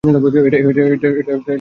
এটা কবেকার?